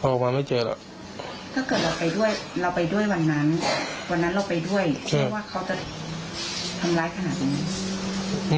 เพราะว่าเขาจะทำร้ายขนาดยังไง